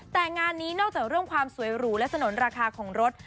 แต่งานนี้นอกจากเรื่องความสวยหรูและสนุนราคาของรถ